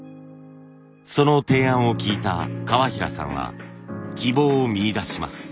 その提案を聞いた川平さんは希望を見いだします。